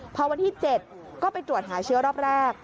พอวันที่๗ก็ไปตรวจหาเชื้อรอบแรก